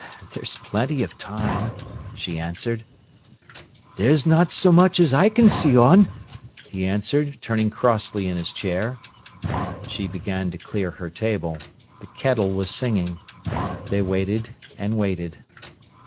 "There's plenty of time," she answered. "There's not so much as I can see on," he answered, turning crossly in his chair. She began to clear her table. The kettle was singing. They waited and waited.